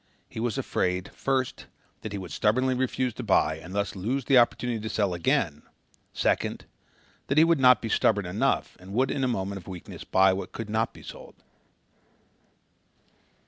He was afraid, first that he would stubbornly refuse to buy and thus lose the opportunity to sell again; second that he would not be stubborn enough and would in a moment of weakness buy what could not be sold.